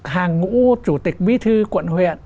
hàng ngũ chủ tịch mỹ thư quận huyện